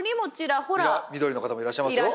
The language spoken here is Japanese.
緑の方もいらっしゃいますよ。